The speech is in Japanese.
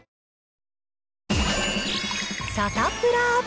サタプラ。